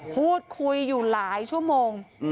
พูดคุยอยู่หลายชั่วโมง